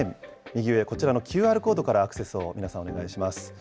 右上、こちらのＱＲコードからアクセスを皆さん、お願いいたします。